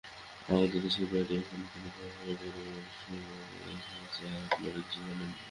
আমাদের দেশের বাহিরে এখনও কি ভয়ানক পরধর্ম-বিদ্বেষ রহিয়াছে, তাহা আপনারা কিছুই জানেন না।